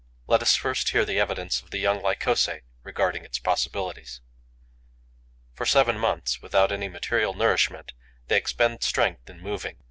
Let us first hear the evidence of the young Lycosae regarding its possibilities. For seven months, without any material nourishment, they expend strength in moving.